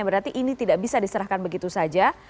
berarti ini tidak bisa diserahkan begitu saja